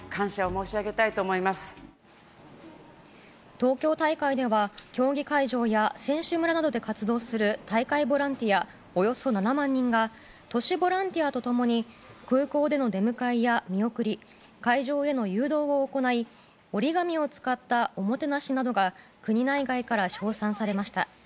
東京大会では競技会場や選手村などで活動する大会ボランティアおよそ７万人が都市ボランティアと共に空港での出迎えや見送り会場への誘導を行い折り紙を使ったおもてなしなどが国内外から称賛されました。